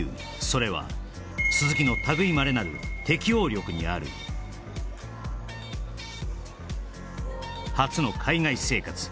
それは鈴木の類いまれなる適応力にある初の海外生活